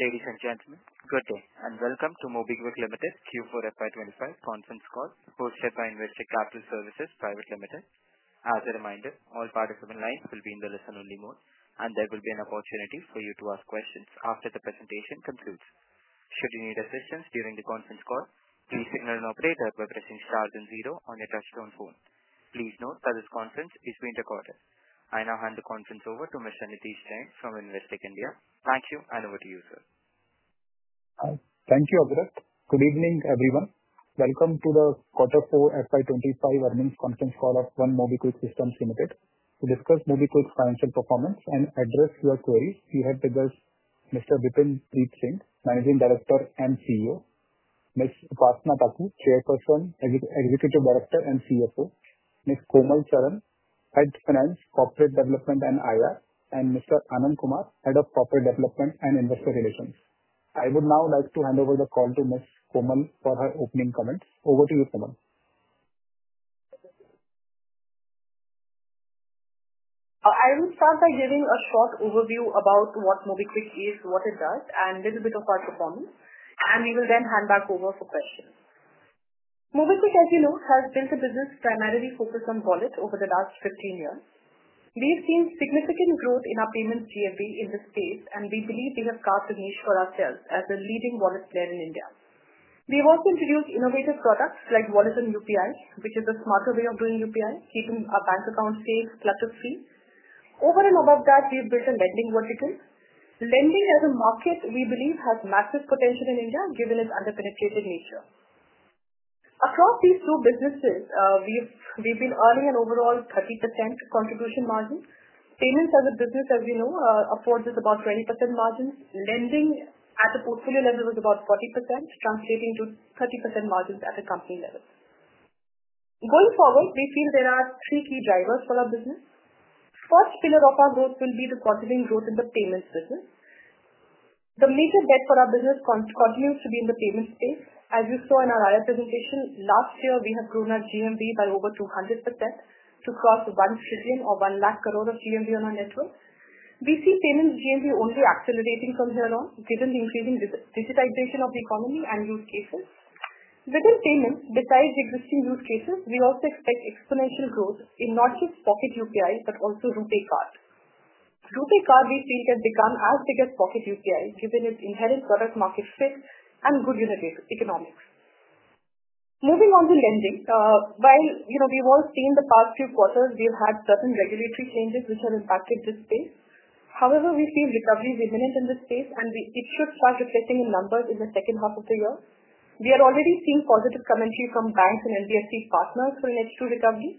Ladies and gentlemen, good day and welcome to MobiKwik Limited Q4 FY25 conference call hosted by Investor Capital Services Private Limited. As a reminder, all participant lines will be in the listen-only mode, and there will be an opportunity for you to ask questions after the presentation concludes. Should you need assistance during the conference call, please signal an operator by pressing star and zero on your touch-tone phone. Please note that this conference is being recorded. I now hand the conference over to Mr. Nidhesh Jain from Investec India. Thank you, and over to you, sir. Thank you, Abhrit. Good evening, everyone. Welcome to the Q4 FY2025 earnings conference call of One MobiKwik Systems Limited. To discuss MobiKwik's financial performance and address your queries, we have with us Mr. Bipin Preet Singh, Managing Director and CEO, Ms. Upasana Taku, Chairperson, Executive Director and CFO, Ms. Komal Sharan, Head Finance, Corporate Development and IR, and Mr. Anand Kumar, Head of Corporate Development and Investor Relations. I would now like to hand over the call to Ms. Komal for her opening comments. Over to you, Komal. I will start by giving a short overview about what MobiKwik is, what it does, and a little bit of our performance, and we will then hand back over for questions. MobiKwik, as you know, has built a business primarily focused on wallet over the last 15 years. We've seen significant growth in our payments GMV in this space, and we believe we have carved a niche for ourselves as a leading wallet player in India. We've also introduced innovative products like wallet and UPI, which is a smarter way of doing UPI, keeping our bank accounts safe, collectors-free. Over and above that, we've built a lending vertical. Lending as a market, we believe, has massive potential in India given its under-penetrated nature. Across these two businesses, we've been earning an overall 30% contribution margin. Payments as a business, as we know, affords us about 20% margins. Lending at the portfolio level was about 40%, translating to 30% margins at a company level. Going forward, we feel there are three key drivers for our business. First pillar of our growth will be the continuing growth in the payments business. The major bet for our business continues to be in the payments space. As you saw in our IR presentation, last year we have grown our GMV by over 200% to cross 1 trillion or 1 lakh crore of GMV on our net worth. We see payments GMV only accelerating from here on, given the increasing digitization of the economy and use cases. Within payments, besides existing use cases, we also expect exponential growth in not just Pocket UPI but also RuPay Card. RuPay Card we feel can become as big as Pocket UPI given its inherent product-market fit and good economics. Moving on to lending, while we've all seen the past few quarters, we've had certain regulatory changes which have impacted this space. However, we feel recovery is imminent in this space, and it should start reflecting in numbers in the second half of the year. We are already seeing positive commentary from banks and NBFC partners for an H2 recovery.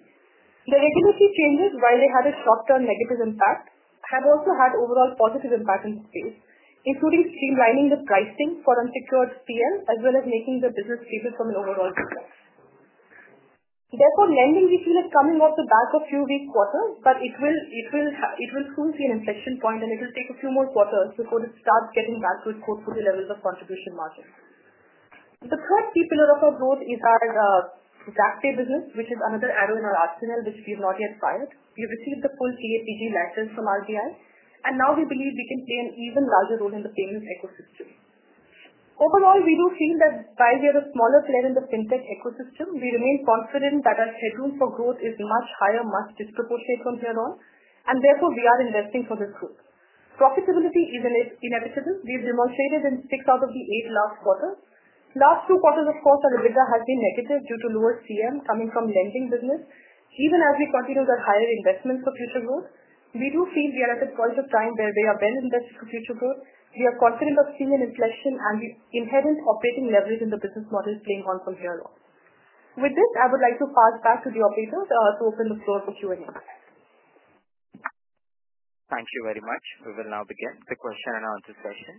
The regulatory changes, while they had a short-term negative impact, have also had overall positive impact in this space, including streamlining the pricing for unsecured PL as well as making the business stable from an overall perspective. Therefore, lending we feel is coming off the back of Q4, but it will soon see an inflection point, and it will take a few more quarters before it starts getting back to its portfolio levels of contribution margin. The third key pillar of our growth is our ZAAPay business, which is another arrow in our arsenal which we have not yet fired. We've received the full TAPG license from RBI, and now we believe we can play an even larger role in the payments ecosystem. Overall, we do feel that while we are a smaller player in the fintech ecosystem, we remain confident that our headroom for growth is much higher, much disproportionate from here on, and therefore we are investing for this growth. Profitability is inevitable. We've demonstrated in six out of the eight last quarters. Last two quarters, of course, our EBITDA has been negative due to lower CM coming from lending business. Even as we continue with our higher investments for future growth, we do feel we are at a point of time where we are well invested for future growth. We are confident of seeing an inflection and the inherent operating leverage in the business model playing on from here on. With this, I would like to pass back to the operators to open the floor for Q&A. Thank you very much. We will now begin the question and answer session.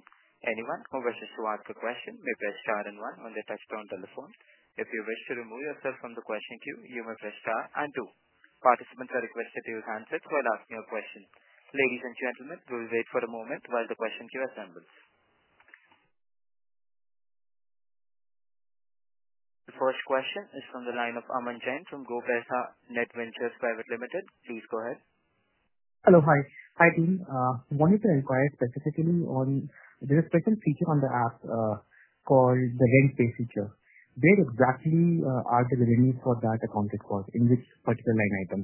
Anyone who wishes to ask a question may press star and one on the touch-tone telephone. If you wish to remove yourself from the question queue, you may press star and two. Participants are requested to use handsets while asking a question. Ladies and gentlemen, we will wait for a moment while the question queue assembles. The first question is from the line of Aman Jain from GoPaisa NetVentures Pvt Ltd. Please go ahead. Hello, hi. Hi team. I wanted to inquire specifically on there's a special feature on the app called the rent-based feature. Where exactly are the revenues for that accounted for? In which particular line item?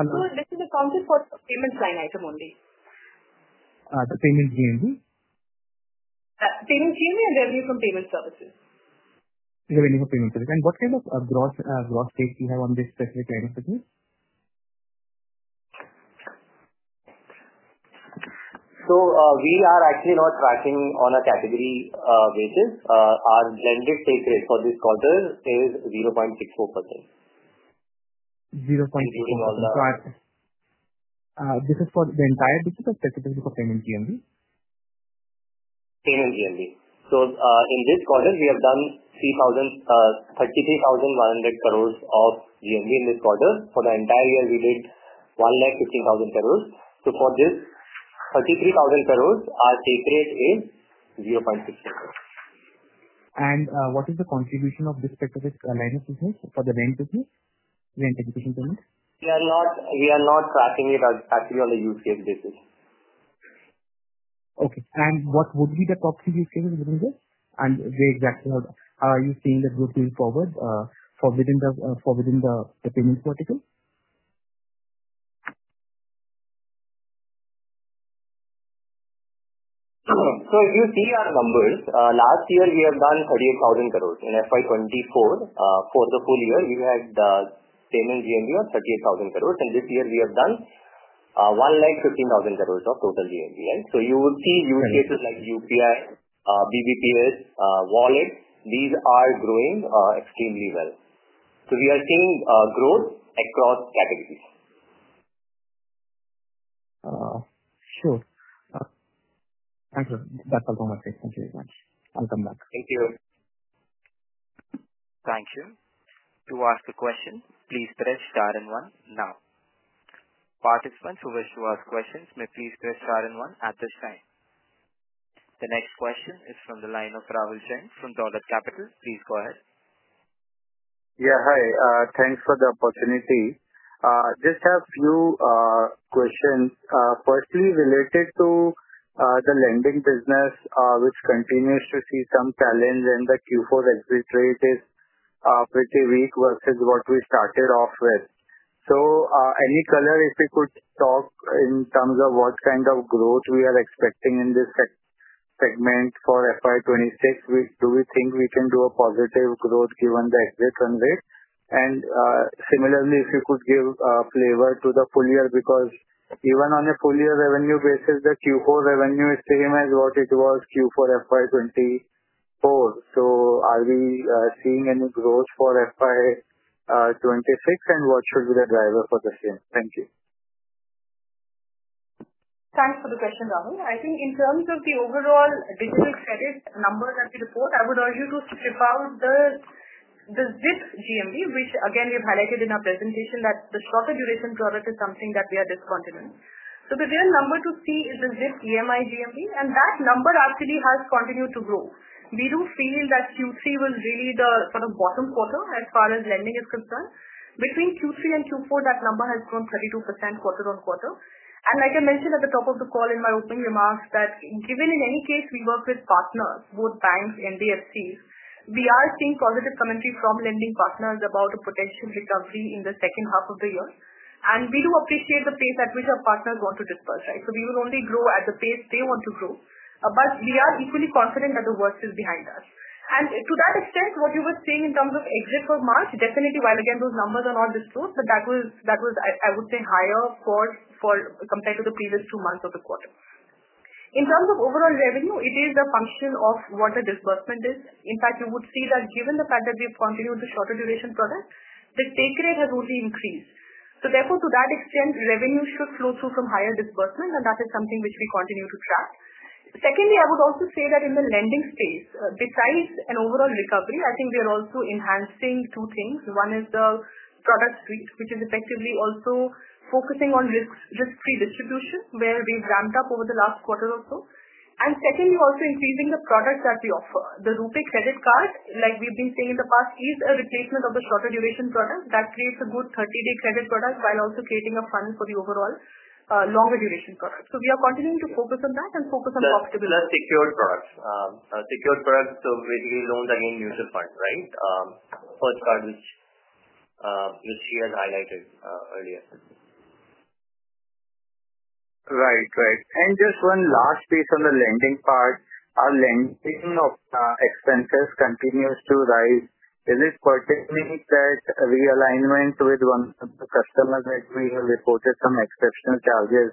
Hello? No, this is accounted for payments line item only. The payments GMV? Payments GMV and revenue from payment services. Revenue from payment services. What kind of gross rate do you have on this specific line of business? We are actually now tracking on a category wages. Our blended pay grade for this quarter is 0.64%. 0.64%. This is for the entire business or specifically for payments GMV? Payments GMV. In this quarter, we have done 33,100 crore of GMV in this quarter. For the entire year, we did 115,000 crore. For this 33,000 crore, our pay grade is 0.64%. What is the contribution of this specific line of business for the rent business, rent education payment? We are not tracking it actually on a use case basis. Okay. What would be the top three use cases within this? Where exactly? How are you seeing the growth moving forward for within the payments vertical? If you see our numbers, last year we have done 38,000 crore. In 2023-2024, for the full year, we had payments GMV of 38,000 crore, and this year we have done 115,000 crore of total GMV. You will see use cases like UPI, BBPS, wallet. These are growing extremely well. We are seeing growth across categories. Sure. Thank you. That's all from my side. Thank you very much. I'll come back. Thank you. Thank you. To ask a question, please press star and one now. Participants who wish to ask questions may please press star and one at this time. The next question is from the line of Rahul Jain from Dolat Capital. Please go ahead. Yeah, hi. Thanks for the opportunity. Just have a few questions. Firstly, related to the lending business, which continues to see some challenges in the Q4 exit rate, is pretty weak versus what we started off with. Any color if we could talk in terms of what kind of growth we are expecting in this segment for FY 2026? Do we think we can do a positive growth given the exit run rate? Similarly, if you could give flavor to the full year because even on a full year revenue basis, the Q4 revenue is the same as what it was Q4 FY 2024. Are we seeing any growth for FY 2026, and what should be the driver for the same? Thank you. Thanks for the question, Rahul. I think in terms of the overall digital credit numbers that we report, I would urge you to strip out the ZIP GMV, which again we've highlighted in our presentation that the shorter duration product is something that we are discontinuing. The real number to see is the ZIP EMI GMV, and that number actually has continued to grow. We do feel that Q3 was really the sort of bottom quarter as far as lending is concerned. Between Q3 and Q4, that number has grown 32% quarter on quarter. Like I mentioned at the top of the call in my opening remarks, given in any case we work with partners, both banks, NBFCs, we are seeing positive commentary from lending partners about a potential recovery in the second half of the year. We do appreciate the pace at which our partners want to disburse, right? We will only grow at the pace they want to grow. We are equally confident that the worst is behind us. To that extent, what you were saying in terms of exit for March, definitely, while again those numbers are not disclosed, that was, I would say, higher compared to the previous two months of the quarter. In terms of overall revenue, it is a function of what the disbursement is. In fact, you would see that given the fact that we've continued the shorter duration product, the pay grade has only increased. Therefore, to that extent, revenue should flow through from higher disbursement, and that is something which we continue to track. Secondly, I would also say that in the lending space, besides an overall recovery, I think we are also enhancing two things. One is the product suite, which is effectively also focusing on risk-free distribution, where we've ramped up over the last quarter or so. Secondly, also increasing the products that we offer. The RuPay Card, like we've been saying in the past, is a replacement of the shorter duration product that creates a good 30-day credit product while also creating a fund for the overall longer duration product. We are continuing to focus on that and focus on profitability. Plus secured products. Secured products, so basically loans against mutual funds, right? First card, which she had highlighted earlier. Right, right. Just one last piece on the lending part. Our lending expenses continue to rise. Is it pertaining to that realignment with one of the customers that we have reported some exceptional charges?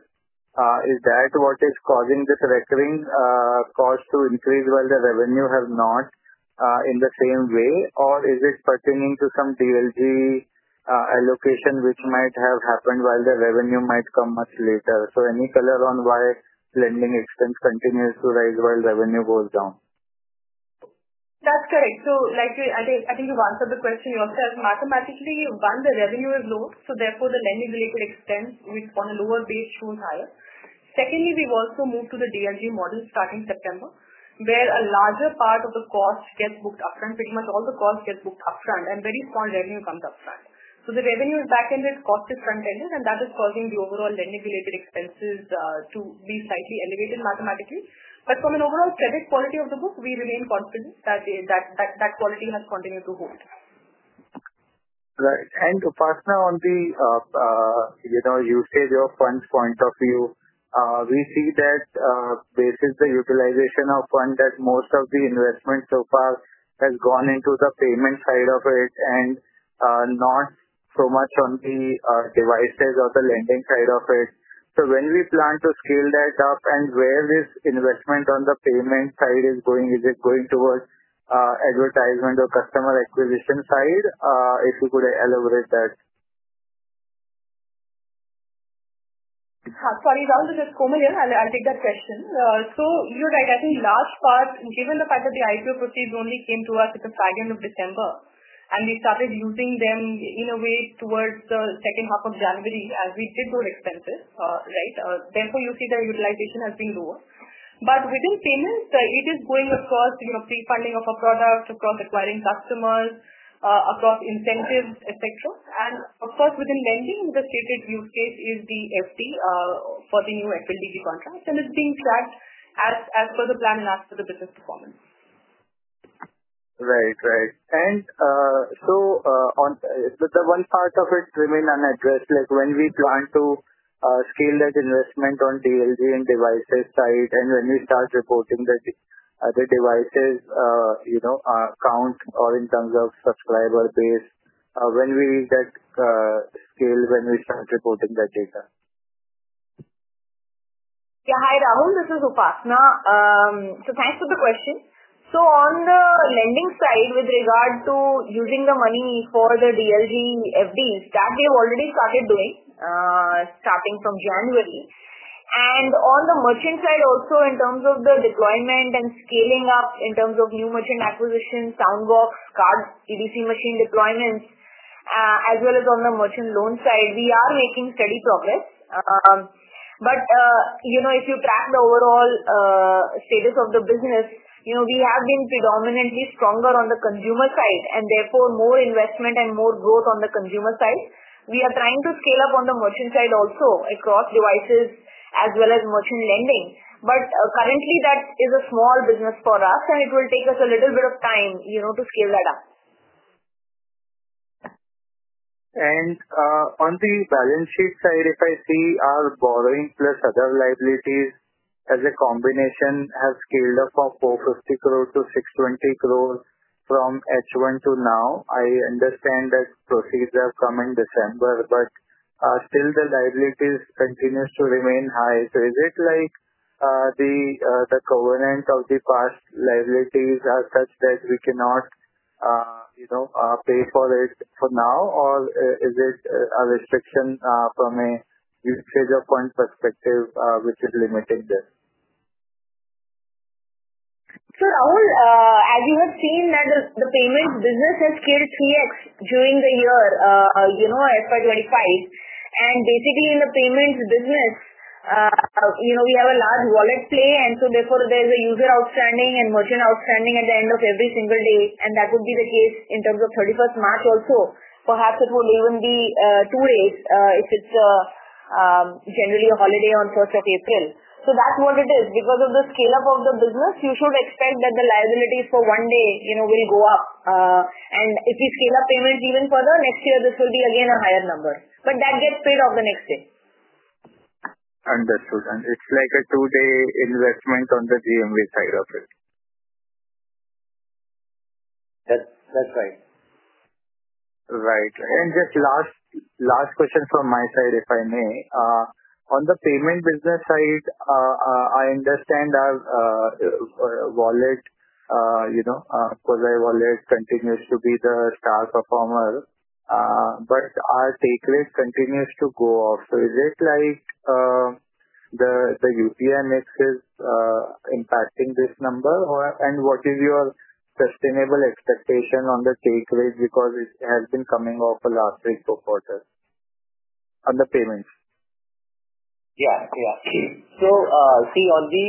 Is that what is causing this recurring cost to increase while the revenue has not in the same way? Is it pertaining to some DLG allocation which might have happened while the revenue might come much later? Any color on why lending expense continues to rise while revenue goes down? That's correct. I think you've answered the question yourself. Mathematically, one, the revenue is low, so therefore the lending-related expense on a lower base shows higher. Secondly, we've also moved to the DLG model starting September, where a larger part of the cost gets booked upfront. Pretty much all the cost gets booked upfront, and very small revenue comes upfront. The revenue is back-ended, cost is front-ended, and that is causing the overall lending-related expenses to be slightly elevated mathematically. From an overall credit quality of the book, we remain confident that that quality has continued to hold. Right. To fasten on the usage of funds point of view, we see that basically the utilization of funds, that most of the investment so far has gone into the payment side of it and not so much on the devices or the lending side of it. When we plan to scale that up and where this investment on the payment side is going, is it going towards advertisement or customer acquisition side? If you could elaborate that. Sorry, Rahul, this is Komal here. I'll take that question. You're right. I think large part, given the fact that the IPO proceeds only came to us at the second of December, and we started using them in a way towards the second half of January as we did those expenses, right? Therefore, you see that utilization has been lower. Within payments, it is going across pre-funding of a product, across acquiring customers, across incentives, etc. Of course, within lending, the stated use case is the FD for the new FLDG contracts, and it's being tracked as per the plan and as per the business performance. Right, right. The one part of it remained unaddressed. When we plan to scale that investment on DLG and devices side, and when we start reporting the devices count or in terms of subscriber base, when will that scale, when we start reporting that data? Yeah. Hi, Rahul. This is Upasana. Thanks for the question. On the lending side with regard to using the money for the DLG FDs, we have already started doing that starting from January. On the merchant side also, in terms of the deployment and scaling up in terms of new merchant acquisition, Soundbox, card EDC machine deployments, as well as on the merchant loan side, we are making steady progress. If you track the overall status of the business, we have been predominantly stronger on the consumer side, and therefore more investment and more growth on the consumer side. We are trying to scale up on the merchant side also across devices as well as merchant lending. Currently, that is a small business for us, and it will take us a little bit of time to scale that up. On the balance sheet side, if I see our borrowing plus other liabilities as a combination has scaled up from 450 crore to 620 crore from H1 to now. I understand that proceeds have come in December, but still the liabilities continue to remain high. Is it like the covenant of the past liabilities are such that we cannot pay for it for now, or is it a restriction from a usage of fund perspective which is limiting this? Rahul, as you have seen that the payments business has scaled 3X during the year FY 2025. Basically in the payments business, we have a large wallet play, and so therefore there's a user outstanding and merchant outstanding at the end of every single day. That would be the case in terms of 31st March also. Perhaps it would even be two days if it's generally a holiday on 1st April. That's what it is. Because of the scale-up of the business, you should expect that the liabilities for one day will go up. If we scale up payments even further, next year this will be again a higher number. That gets paid off the next day. Understood. It's like a two-day investment on the GMV side of it. That's right. Right. And just last question from my side, if I may. On the payment business side, I understand our Wallet, MobiKwik Wallet continues to be the star performer, but our payment gateway continues to go off. Is it like the UPI mix is impacting this number? What is your sustainable expectation on the payment gateway because it has been coming off the last three quarters on the payments? Yeah, yeah. See, on the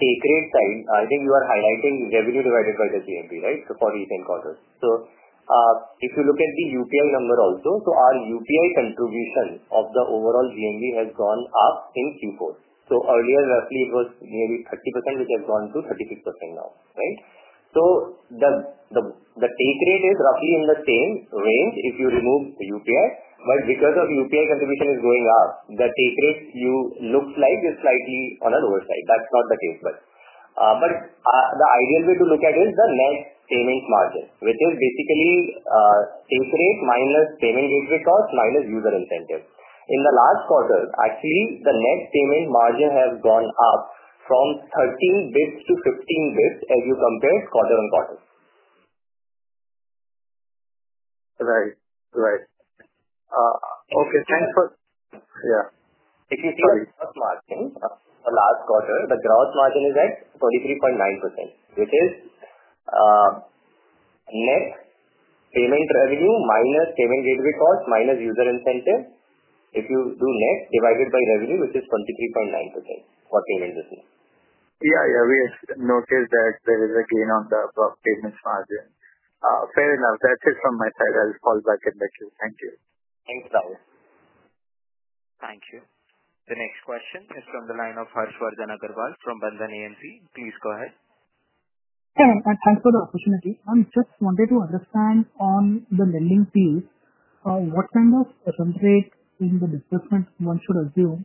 pay grade side, I think you are highlighting revenue divided by the GMV, right? For recent quarters, if you look at the UPI number also, our UPI contribution of the overall GMV has gone up in Q4. Earlier, roughly, it was nearly 30%, which has gone to 36% now, right? The pay grade is roughly in the same range if you remove the UPI. Because the UPI contribution is going up, the pay grade looks like it is slightly on the lower side. That is not the case. The ideal way to look at it is the net payment margin, which is basically pay grade minus payment gateway cost minus user incentive. In the last quarter, the net payment margin has gone up from 13 basis points to 15 basis points as you compare quarter on quarter. Right, right. Okay. Thanks for. If you see the gross margin for last quarter, the gross margin is at 43.9%, which is net payment revenue minus payment gateway cost minus user incentive. If you do net divided by revenue, which is 23.9% for payment business. Yeah, yeah. We noticed that there is a gain on the payments margin. Fair enough. That's it from my side. I'll call back in a few. Thank you. Thanks, Rahul. Thank you. The next question is from the line of Harshwardhan Agrawal from Bandhan AMC. Please go ahead. Thanks for the opportunity. I just wanted to understand on the lending piece, what kind of rate in the disbursement one should assume?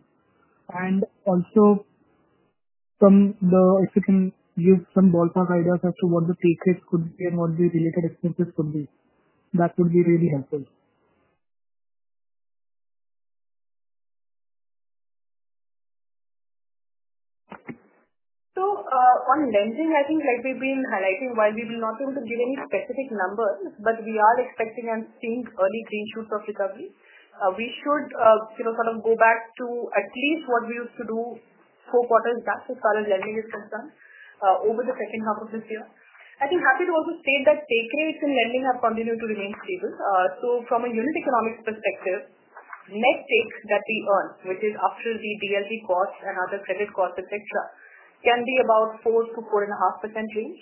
If you can give some ballpark ideas as to what the pay grade could be and what the related expenses could be, that would be really helpful. On lending, I think like we've been highlighting, while we will not be able to give any specific numbers, we are expecting and seeing early green shoots of recovery. We should sort of go back to at least what we used to do four quarters back as far as lending is concerned over the second half of this year. I think I'm happy to also state that pay grades in lending have continued to remain stable. From a unit economics perspective, net take that we earn, which is after the DLG costs and other credit costs, etc., can be about 4-4.5% range.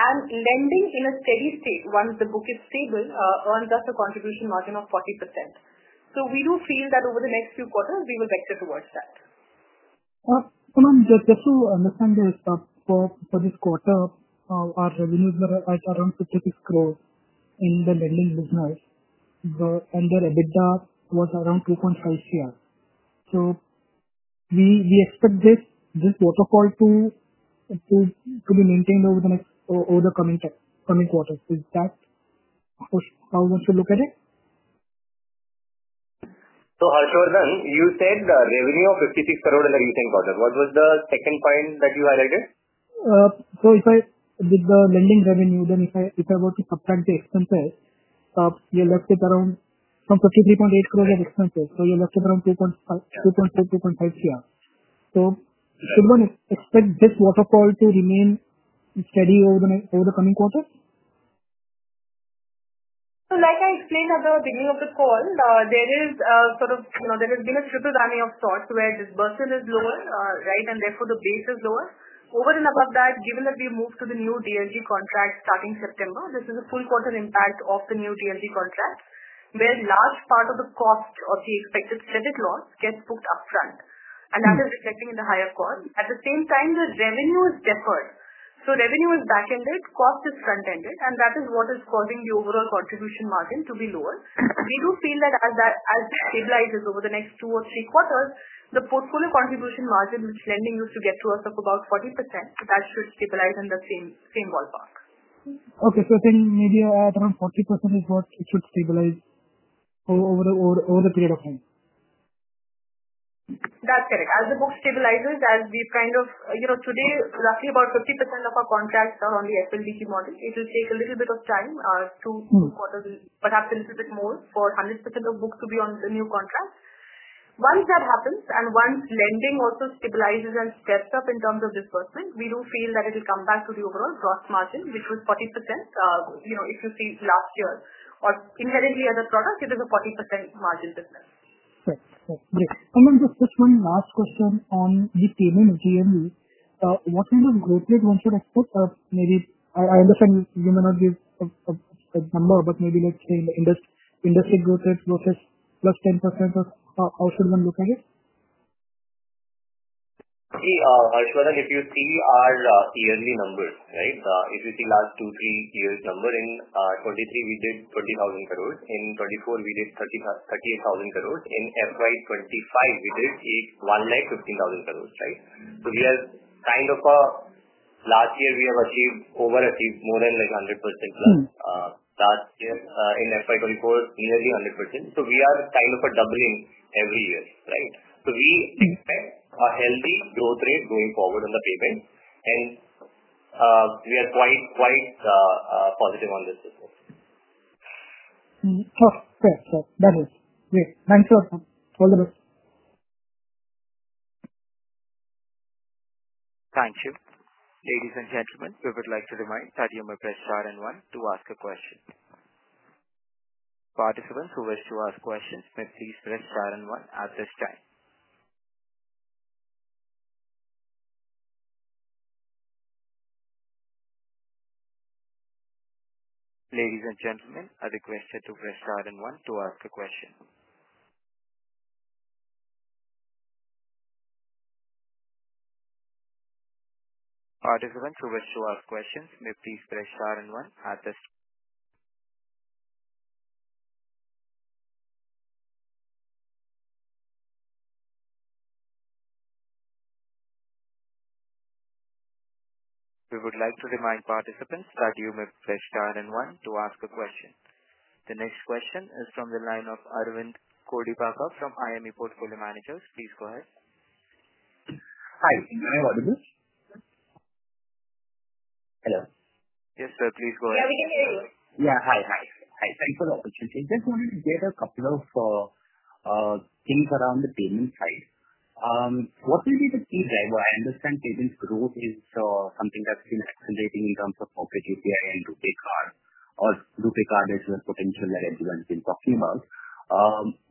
Lending in a steady state, once the book is stable, earns us a contribution margin of 40%. We do feel that over the next few quarters, we will vector towards that. Just to understand this, for this quarter, our revenues were at around 56 crore in the lending business, and the EBITDA was around 2.5 crore. Do we expect this waterfall to be maintained over the coming quarters? Is that how you want to look at it? Harshwar, you said revenue of INR 56 crore in the recent quarter. What was the second point that you highlighted? With the lending revenue, then if I were to subtract the expenses, you are left with around 53.8 crore of expenses, so you are left with around 2.5 crore, 2.5 crore. Should one expect this waterfall to remain steady over the coming quarters? Like I explained at the beginning of the call, there has been a triple running of thought where disbursement is lower, right? Therefore, the base is lower. Over and above that, given that we moved to the new DLG contract starting September, this is a full quarter impact of the new DLG contract, where a large part of the cost of the expected credit loss gets booked upfront. That is reflecting in the higher cost. At the same time, the revenue is deferred. Revenue is back-ended, cost is front-ended, and that is what is causing the overall contribution margin to be lower. We do feel that as that stabilizes over the next two or three quarters, the portfolio contribution margin, which lending used to get to us of about 40%, should stabilize in the same ballpark. Okay. So then maybe around 40% is what it should stabilize over the period of time. That's correct. As the book stabilizes, as we've kind of today, roughly about 50% of our contracts are on the FLDG model. It will take a little bit of time to quarterly, perhaps a little bit more for 100% of books to be on the new contract. Once that happens and once lending also stabilizes and steps up in terms of disbursement, we do feel that it will come back to the overall gross margin, which was 40% if you see last year. Or inherently as a product, it is a 40% margin business. Right, right. Just one last question on the payment GMV. What kind of growth rate one should expect? Maybe I understand you may not give a number, but maybe let's say industry growth rate growth is plus 10%. How should one look at it? See, Harshwar, if you see our yearly numbers, right? If you see last two, three years' number, in 2023, we did 20,000 crore. In 2024, we did 38,000 crore. In 2025, we did 115,000 crore, right? We are kind of, last year, we have achieved, overachieved more than like 100% plus. Last year, in 2024, nearly 100%. We are kind of doubling every year, right? We expect a healthy growth rate going forward on the payment, and we are quite positive on this business. Okay. That is great. Thanks a lot. All the best. Thank you. Ladies and gentlemen, we would like to remind that you may press star and one to ask a question. Participants who wish to ask questions may please press star and one at this time. Ladies and gentlemen, I request you to press star and one to ask a question. We would like to remind participants that you may press star and one to ask a question. The next question is from the line of Aravind Kodipaka from IME Capital. Please go ahead. Hi. Can I have a look? Hello. Yes, sir. Please go ahead. Yeah, we can hear you. Yeah. Hi, hi. Hi. Thanks for the opportunity. Just wanted to get a couple of things around the payment side. What will be the key driver? I understand payment growth is something that's been accelerating in terms of Corporate UPI and RuPay Card. Or RuPay Card is a potential that everyone's been talking about.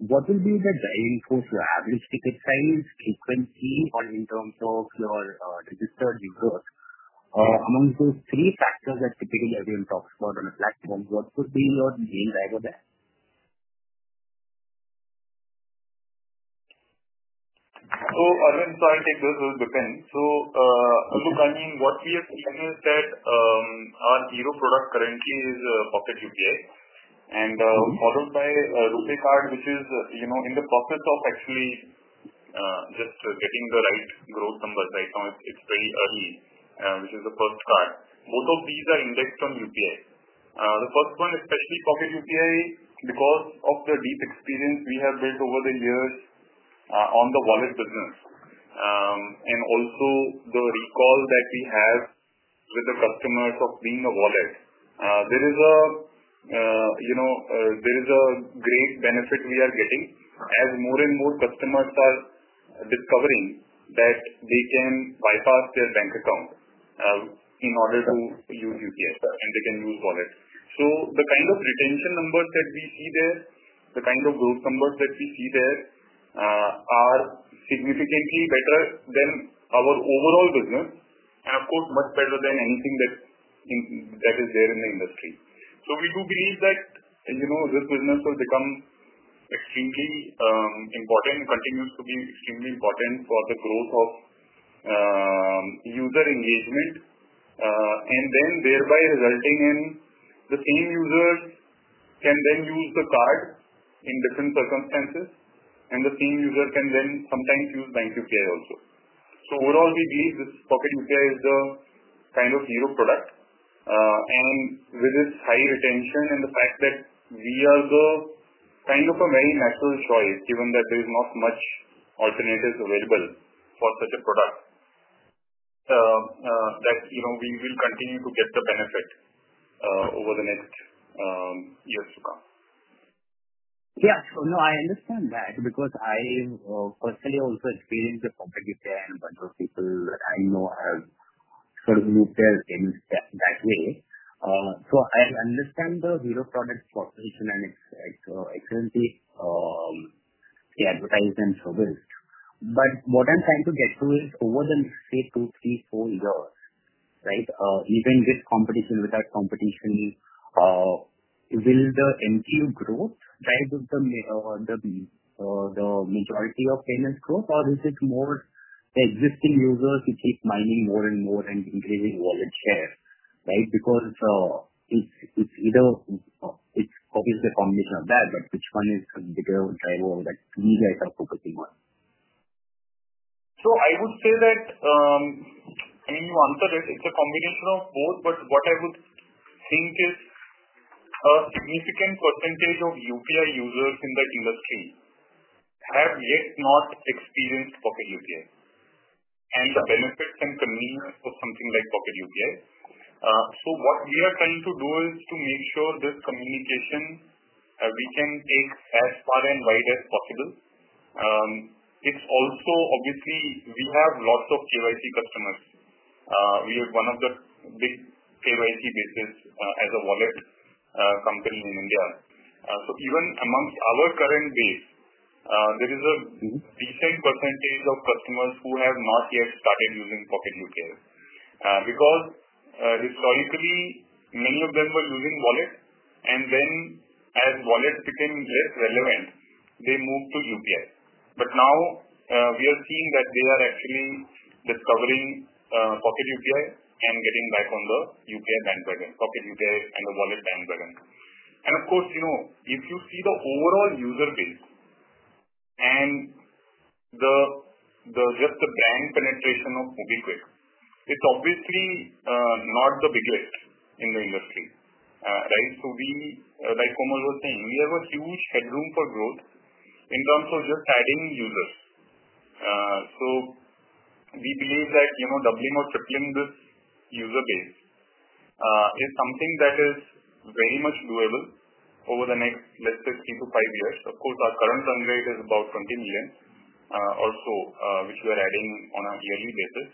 What will be the driving force? Your average ticket size, frequency, or in terms of your registered users? Among those three factors that typically everyone talks about on a platform, what would be your main driver there? Arvind, sorry, I think this will depend. Look, I mean, what we have seen is that our hero product currently is Corporate UPI, and followed by RuPay Card, which is in the process of actually just getting the right growth numbers right now. It is very early, which is the first card. Both of these are indexed on UPI. The first one, especially Corporate UPI, because of the deep experience we have built over the years on the wallet business and also the recall that we have with the customers of being a wallet, there is a great benefit we are getting as more and more customers are discovering that they can bypass their bank account in order to use UPI, and they can use wallet. The kind of retention numbers that we see there, the kind of growth numbers that we see there are significantly better than our overall business and, of course, much better than anything that is there in the industry. We do believe that this business will become extremely important and continues to be extremely important for the growth of user engagement, and then thereby resulting in the same users can then use the card in different circumstances, and the same user can then sometimes use bank UPI also. Overall, we believe this Corporate UPI is the kind of hero product. With its high retention and the fact that we are the kind of a very natural choice, given that there is not much alternatives available for such a product, we will continue to get the benefit over the next years to come. Yeah. No, I understand that because I personally also experienced the Corporate UPI and a bunch of people that I know have sort of moved their things that way. I understand the hero product's proposition and it is excellently advertised and serviced. What I am trying to get to is over the next, say, two, three, four years, right, even with competition, without competition, will the MTU growth drive the majority of payments growth, or is it more the existing users who keep mining more and more and increasing wallet share, right? Because it is obviously a combination of that, but which one is the bigger driver that we guys are focusing on? I would say that, I mean, you answered it. It's a combination of both, but what I would think is a significant percentage of UPI users in the industry have yet not experienced corporate UPI and the benefits and convenience of something like corporate UPI. What we are trying to do is to make sure this communication we can take as far and wide as possible. It's also, obviously, we have lots of KYC customers. We are one of the big KYC bases as a wallet company in India. Even amongst our current base, there is a decent percentage of customers who have not yet started using corporate UPI because historically, many of them were using wallet. As wallet became less relevant, they moved to UPI. Now we are seeing that they are actually discovering Corporate UPI and getting back on the UPI bandwagon, Corporate UPI and the Wallet bandwagon. Of course, if you see the overall user base and just the brand penetration of MobiKwik, it's obviously not the biggest in the industry, right? Like Komal was saying, we have a huge headroom for growth in terms of just adding users. We believe that doubling or tripling this user base is something that is very much doable over the next, let's say, three to five years. Of course, our current run rate is about 20 million or so, which we are adding on a yearly basis.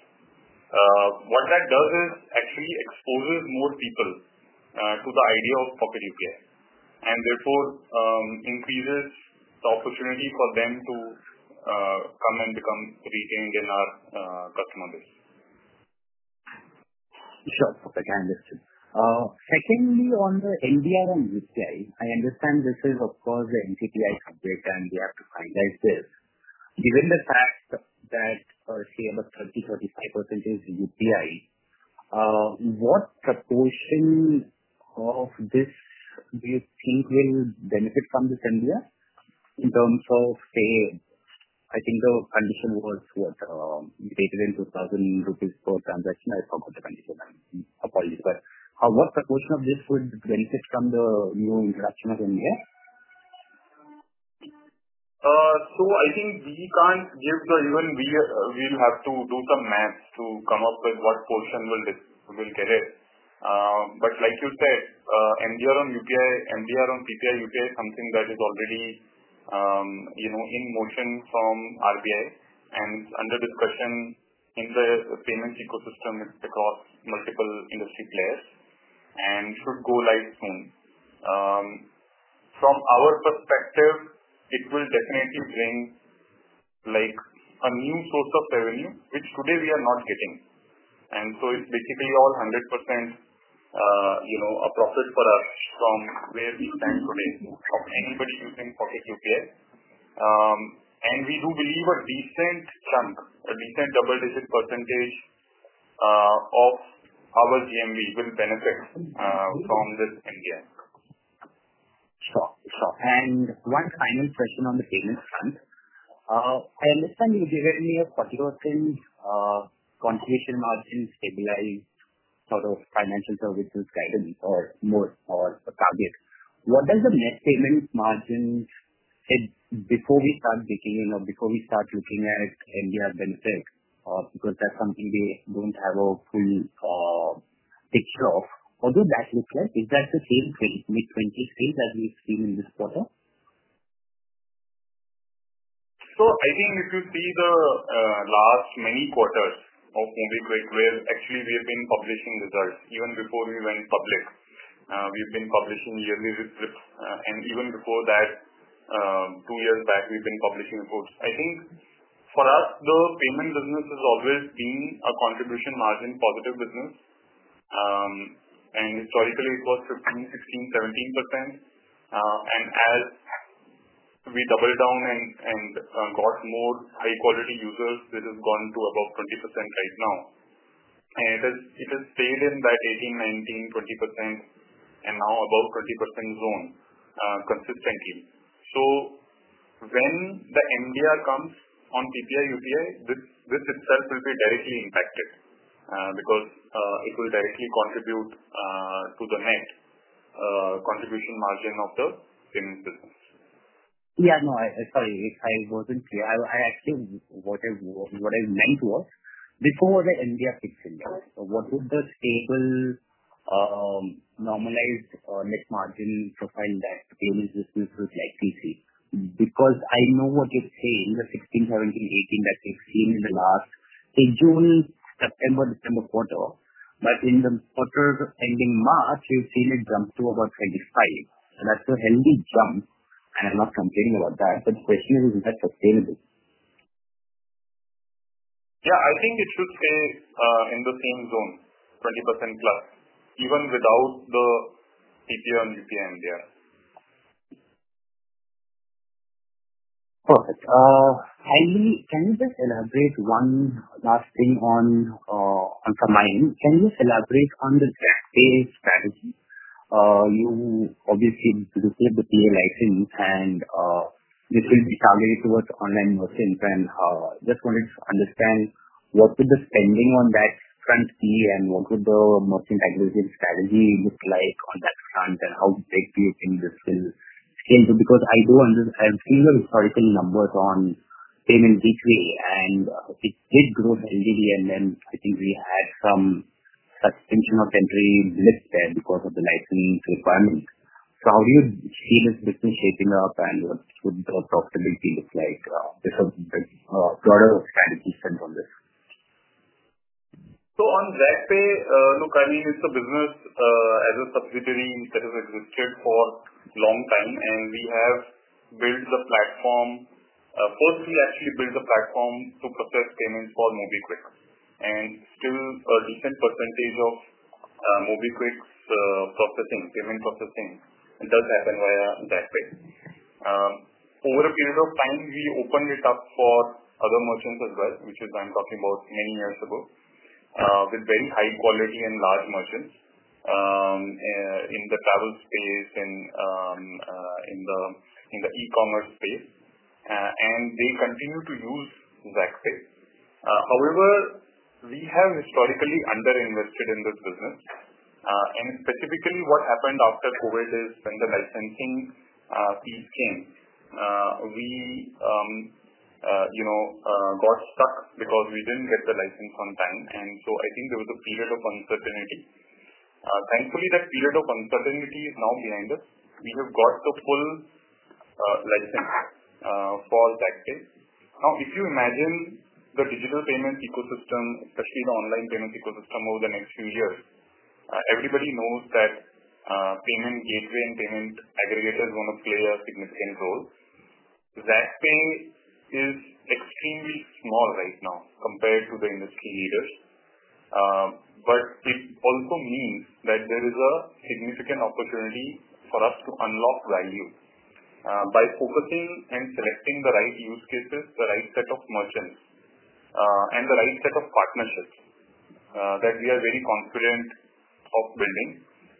What that does is actually exposes more people to the idea of Corporate UPI and therefore increases the opportunity for them to come and become retained in our customer base. Sure. I understood. Secondly, on the MDR and UPI, I understand this is, of course, the MTTI subject, and we have to finalize this. Given the fact that, say, about 30-35% is UPI, what proportion of this do you think will benefit from this MDR in terms of, say, I think the condition was what, rated in 2,000 rupees per transaction? I forgot the condition. Apologies. What proportion of this would benefit from the new introduction of MDR? I think we can't give the even we'll have to do some maths to come up with what portion will get it. Like you said, MDR on UPI, MDR on PPI UPI is something that is already in motion from RBI and under discussion in the payments ecosystem across multiple industry players and should go live soon. From our perspective, it will definitely bring a new source of revenue, which today we are not getting. It's basically all 100% a profit for us from where we stand today of anybody using corporate UPI. We do believe a decent chunk, a decent double-digit percentage of our GMV will benefit from this MDR. Sure, sure. And one final question on the payment front. I understand you gave me a 40% contribution margin stabilized sort of financial services guidance or target. What does the net payment margin before we start digging in or before we start looking at MDR benefit? Because that's something we don't have a full picture of. What does that look like? Is that the same 2020 sales as we've seen in this quarter? I think if you see the last many quarters of MobiKwik, where actually we have been publishing results, even before we went public, we've been publishing yearly reports. Even before that, two years back, we've been publishing reports. I think for us, the payment business has always been a contribution margin positive business. Historically, it was 15%, 16%, 17%. As we doubled down and got more high-quality users, this has gone to about 20% right now. It has stayed in that 18%-19%-20%, and now above 20% zone consistently. When the MDR comes on PPI UPI, this itself will be directly impacted because it will directly contribute to the net contribution margin of the payments business. Yeah. No, sorry, I wasn't clear. Actually, what I meant was, before the MDR kicks in, what would the stable, normalized net margin profile that payments business would like to see? Because I know what you've seen in 2016, 2017, 2018, that we've seen in the last, say, June, September, December quarter. In the quarter ending March, we've seen it jump to about 25%. That's a healthy jump. I'm not complaining about that. The question is, is that sustainable? Yeah. I think it should stay in the same zone, 20%+, even without the PPI on UPI MDR. Perfect. Can you just elaborate one last thing on from my end? Can you elaborate on the strategy? You obviously received the PA license, and this will be targeted towards online merchants. I just wanted to understand what would the spending on that front be and what would the merchant aggregate strategy look like on that front, and how big do you think this will scale to? I do understand I've seen the historical numbers on payment retreat, and it did grow healthily. I think we had some suspension of entry blips there because of the license requirements. How do you see this business shaping up, and what would the profitability look like? Just a broader strategy sense on this. On that, look, I mean, it's a business as a subsidiary that has existed for a long time, and we have built the platform. First, we actually built the platform to process payments for MobiKwik. Still, a decent percentage of MobiKwik's processing, payment processing, does happen via that way. Over a period of time, we opened it up for other merchants as well, which is why I'm talking about many years ago, with very high quality and large merchants in the travel space and in the e-commerce space. They continue to use ZAAPay. However, we have historically underinvested in this business. Specifically, what happened after COVID is when the licensing piece came, we got stuck because we didn't get the license on time. I think there was a period of uncertainty. Thankfully, that period of uncertainty is now behind us. We have got the full license for Zaakpay. Now, if you imagine the digital payments ecosystem, especially the online payments ecosystem over the next few years, everybody knows that payment gateway and payment aggregators are going to play a significant role. Zaakpay is extremely small right now compared to the industry leaders. It also means that there is a significant opportunity for us to unlock value by focusing and selecting the right use cases, the right set of merchants, and the right set of partnerships that we are very confident of building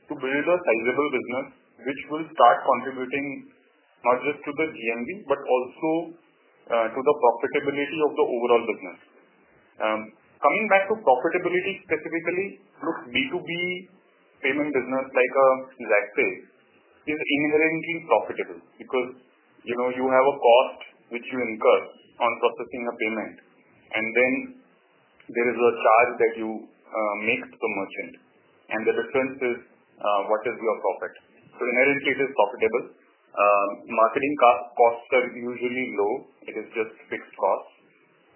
to build a sizable business, which will start contributing not just to the GMV, but also to the profitability of the overall business. Coming back to profitability specifically, look, B2B payment business like Zaakpay is inherently profitable because you have a cost which you incur on processing a payment. There is a charge that you make to the merchant. The difference is what is your profit? Inherently, it is profitable. Marketing costs are usually low. It is just fixed costs.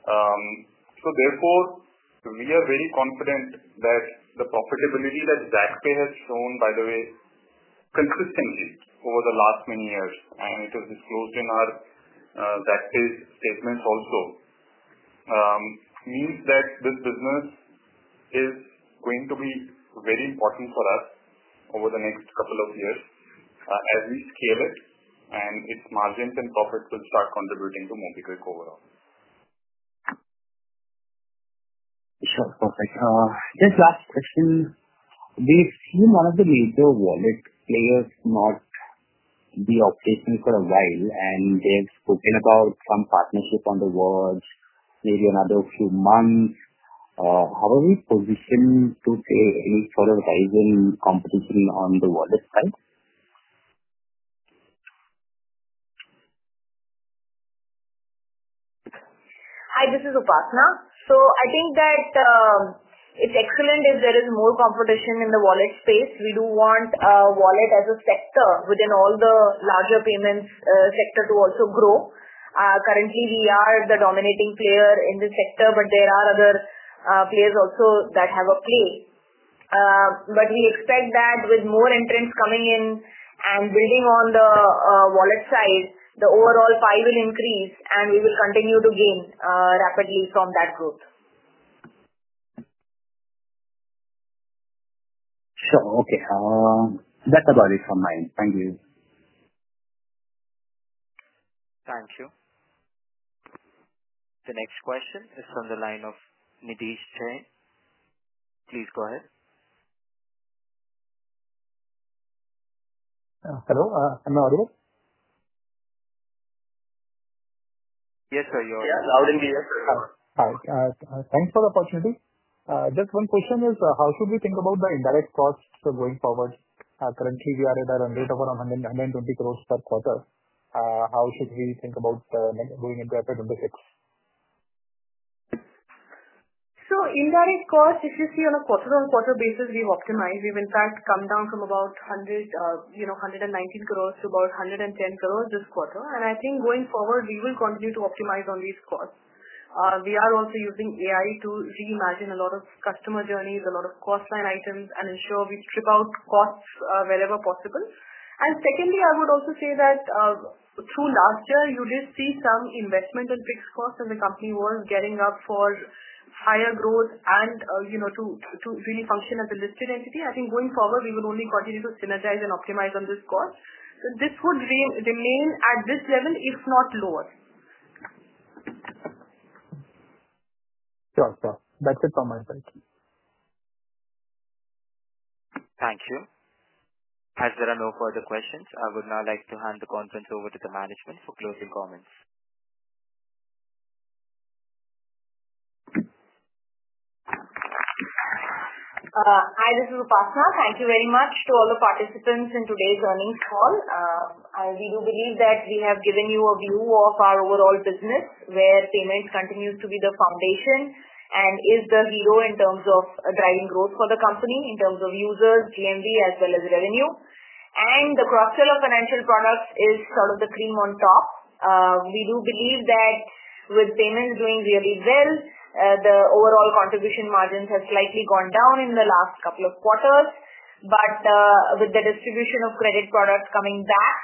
Therefore, we are very confident that the profitability that ZAAPay has shown, by the way, consistently over the last many years, and it was disclosed in our ZAAPay statements also, means that this business is going to be very important for us over the next couple of years as we scale it, and its margins and profits will start contributing to MobiKwik overall. Sure. Perfect. Just last question. We've seen one of the major wallet players not be operating for a while, and they've spoken about some partnership on the verge, maybe another few months. How are we positioned to say any sort of rising competition on the wallet side? Hi, this is Upasana. I think that it's excellent if there is more competition in the wallet space. We do want wallet as a sector within all the larger payments sector to also grow. Currently, we are the dominating player in this sector, but there are other players also that have a play. We expect that with more entrants coming in and building on the wallet side, the overall pie will increase, and we will continue to gain rapidly from that growth. Sure. Okay. That's about it from my end. Thank you. Thank you. The next question is from the line of Nidhesh Jain. Please go ahead. Hello. Am I audible? Yes, sir. You're audible. Yeah. Loud and clear. Hi. Thanks for the opportunity. Just one question is, how should we think about the indirect costs going forward? Currently, we are at a run rate of around 120 crore per quarter. How should we think about going into FY 2026? Indirect costs, if you see on a quarter-on-quarter basis, we've optimized. We've, in fact, come down from about 119 crore to about 110 crore this quarter. I think going forward, we will continue to optimize on these costs. We are also using AI to reimagine a lot of customer journeys, a lot of cost line items, and ensure we strip out costs wherever possible. Secondly, I would also say that through last year, you did see some investment in fixed costs as the company was gearing up for higher growth and to really function as a listed entity. I think going forward, we will only continue to synergize and optimize on this cost. This would remain at this level, if not lower. Sure. That's it from my side. Thank you. As there are no further questions, I would now like to hand the conference over to the management for closing comments. Hi, this is Upasana. Thank you very much to all the participants in today's earnings call. We do believe that we have given you a view of our overall business, where payment continues to be the foundation and is the hero in terms of driving growth for the company, in terms of users, GMV, as well as revenue. The cross-sale of financial products is sort of the cream on top. We do believe that with payments doing really well, the overall contribution margins have slightly gone down in the last couple of quarters. With the distribution of credit products coming back,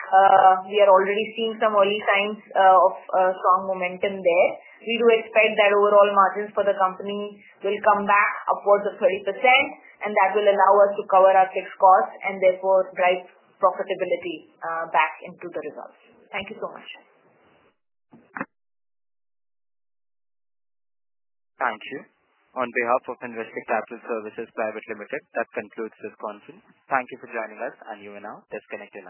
we are already seeing some early signs of strong momentum there. We do expect that overall margins for the company will come back upwards of 30%, and that will allow us to cover our fixed costs and therefore drive profitability back into the results. Thank you so much. Thank you. On behalf of Investor Capital Services Private Limited, that concludes this conference. Thank you for joining us, and you are now disconnected.